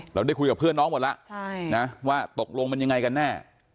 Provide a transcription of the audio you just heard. เราได้คุยกับเพื่อนน้องหมดแล้วว่าตกลงมันยังไงกันแน่